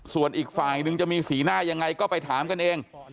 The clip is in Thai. ส่วนอีกฝ่ายนึงจะมีสีหน้ายังไงก็ไปถามกันเอง